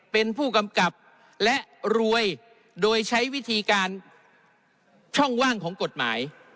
เป็นผู้กำกับและรวยโดยใช้วิธีการช่องว่างของกฎหมาย